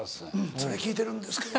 それ聞いてるんですけど。